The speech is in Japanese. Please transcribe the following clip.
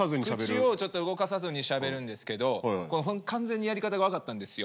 口をちょっと動かさずにしゃべるんですけどこれ完全にやり方が分かったんですよ。